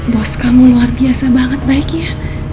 bos kamu luar biasa banget baiknya